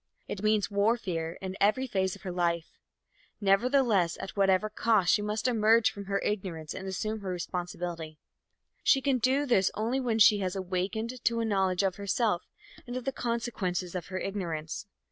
It means warfare in every phase of her life. Nevertheless, at whatever cost, she must emerge from her ignorance and assume her responsibility. She can do this only when she has awakened to a knowledge of herself and of the consequences of her ignorance.